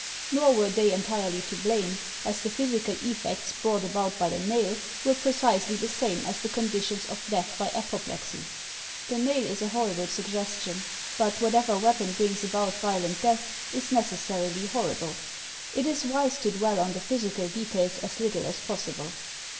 Nor were they entirely to blame, as the physical effects brought about by the nail were precisely the same as the conditions of death by apoplexy. THE HANDLING OF THE CRIME 247 The nail is a horrible suggestion, but whatever weapon brings about violent death is necessarily horrible. It is wise to dwell on the physical details as little as possible.